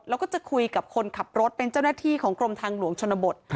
แล้วก็จะคุยกับคนขับรถเป็นเจ้าหน้าที่ของกรมทางหลวงชนบท